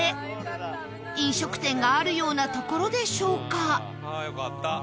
飲食店があるような所でしょうか？